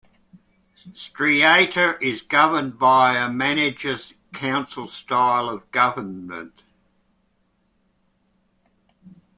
Streator is governed by a Manager-council style of government.